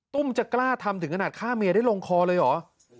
ตุ้มจะกล้าทำถึงขนาดฆ่าเมียได้ลงคอเลยเหรอ